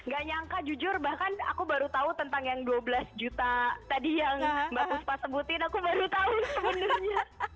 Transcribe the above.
gak nyangka jujur bahkan aku baru tahu tentang yang dua belas juta tadi yang mbak puspa sebutin aku baru tahu sebenarnya